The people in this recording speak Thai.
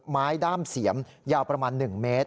ด้ามเสียมยาวประมาณ๑เมตร